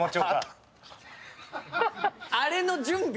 あれの準備